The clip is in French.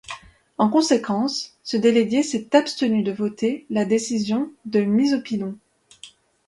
En conséquence, ce délégué s'est abstenu de voter la décision de mise au pilon.